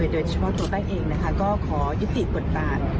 โดยเฉพาะตัวแป้งเองก็ขอยุติบทบาท